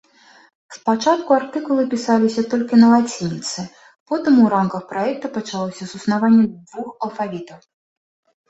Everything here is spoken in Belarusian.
Спачатку артыкулы пісаліся толькі на лацініцы, потым у рамках праекта пачалося суіснаванне двух алфавітаў.